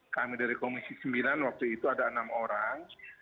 kami dari komisi sembilan waktu itu ada enam orang